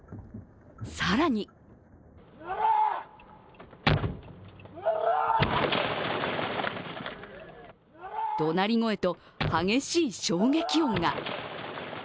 更にどなり声と激しい衝撃音が。